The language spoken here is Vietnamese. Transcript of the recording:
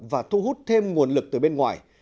và thu hút thêm nguồn lực từ bên ngoài